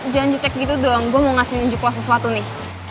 jangan jutek gitu dong gue mau ngasih nunjuk lo sesuatu nih